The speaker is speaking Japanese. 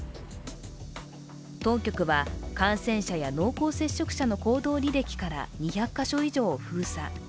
当局は感染者や濃厚接触者の行動履歴から２００カ所以上を封鎖。